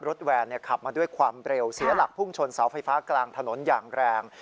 แวนขับมาด้วยความเร็วเสียหลักพุ่งชนเสาไฟฟ้ากลางถนนอย่างแรง